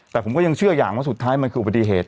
แต่ผมก็ยังเชื่ออย่างว่าสุดท้ายมันคืออุบัติเหตุ